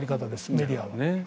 メディアは。